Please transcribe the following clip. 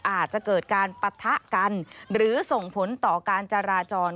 อาจจะเกิดการปะทะกันหรือส่งผลต่อการจราจร